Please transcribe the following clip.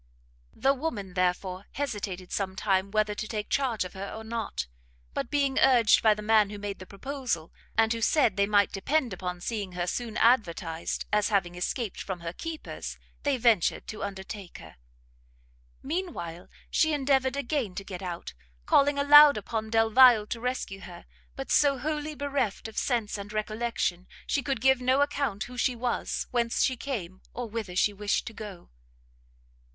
The woman therefore hesitated some time whether to take charge of her or, not: but being urged by the man who made the proposal, and who said they might depend upon seeing her soon advertised, as having escaped from her keepers, they ventured to undertake her. Mean while she endeavoured again to get out, calling aloud upon Delvile to rescue her, but so wholly bereft of sense and recollection, she could give no account who she was, whence she came, or whither she wished to go.